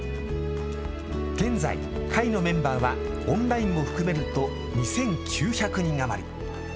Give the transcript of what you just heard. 現在、会のメンバーはオンラインも含めると２９００人余り。